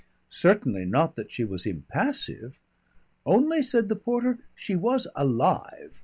Certainly not that she was impassive. "Only," said the porter, "she was alive.